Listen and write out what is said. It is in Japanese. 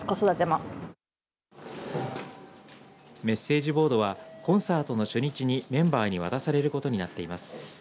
メッセージボードはコンサートの初日にメンバーに渡されることになっています。